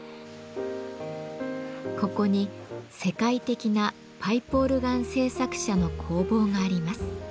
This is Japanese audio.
ここに世界的なパイプオルガン製作者の工房があります。